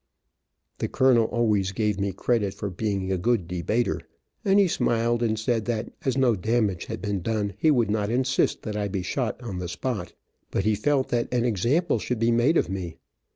The colonel always gave me credit for being a good debater, and he smiled and said that as no damage had been done, he would not insist that I be shot on the spot, but he felt that an example should be made of me.